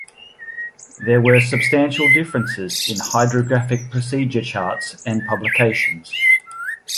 There were substantial differences in hydrographic procedures charts, and publications.